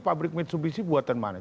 pabrik mitsubishi buatan mana